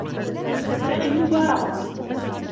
فلتبدأ المباراة.